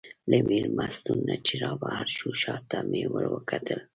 له مېلمستون نه چې رابهر شوو، شا ته مې وروکتل.